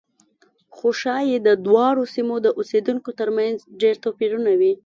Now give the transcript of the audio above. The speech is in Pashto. خو ښایي د دواړو سیمو د اوسېدونکو ترمنځ ډېر توپیرونه وي.